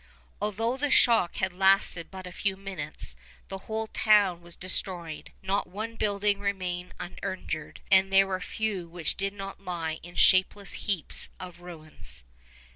Although the shock had lasted but a few minutes, the whole town was destroyed. Not one building remained uninjured, and there were few which did not lie in shapeless heaps of ruins.